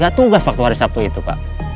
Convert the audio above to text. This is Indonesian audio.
gak tugas waktu hari sabtu itu pak